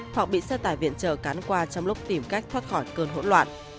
hoặc bị xe tải viện trợ cán qua trong lúc tìm cách thoát khỏi cơn hỗn loạn